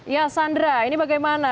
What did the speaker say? ya sandra ini bagaimana